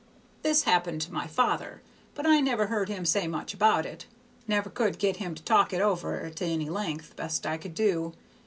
"This happened to my own father, but I never heard him say much about it; never could get him to talk it over to any length, best I could do.